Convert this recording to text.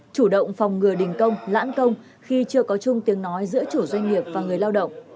chủ động phòng ngừa đình công lãng công khi chưa có chung tiếng nói giữa chủ doanh nghiệp và người lao động